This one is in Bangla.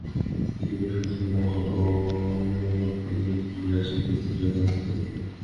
তিনি বেশ উৎফুল্ল হন ও গ্রহণ করবেন কি-না সিদ্ধান্তহীনতায় ভুগতে থাকেন।